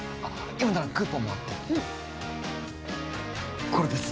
今ならクーポンもあってこれです